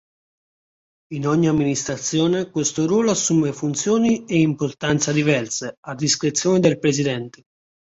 In ogni amministrazione questo ruolo assume funzioni e importanza diverse, a discrezione del Presidente.